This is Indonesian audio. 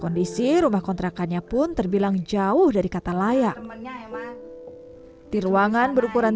kondisi rumah kontrakannya pun terbilang jauh dari kata layak di ruangan berukuran